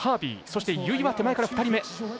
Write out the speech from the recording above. そして由井は手前から２人目。